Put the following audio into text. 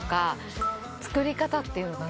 作り方っていうのかな。